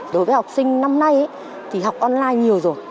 đối với học sinh năm nay thì học online nhiều rồi